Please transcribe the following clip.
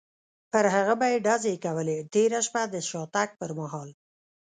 پر هغه به یې ډزې کولې، تېره شپه د شاتګ پر مهال.